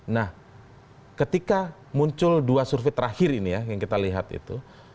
nah ketika muncul dua survei terakhir ini ya yang kita lihat itu